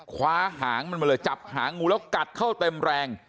คว้าหางมันมาเลยจับหางงูแล้วกัดเข้าเต็มแรง